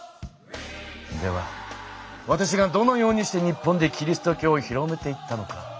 ではわたしがどのようにして日本でキリスト教を広めていったのか。